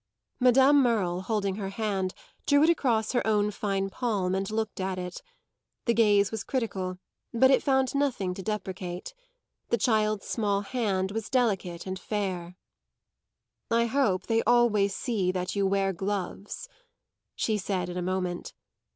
Madame Merle, holding her hand, drew it across her own fine palm and looked at it. The gaze was critical, but it found nothing to deprecate; the child's small hand was delicate and fair. "I hope they always see that you wear gloves," she said in a moment.